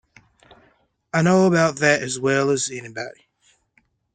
I know about that as well as anybody.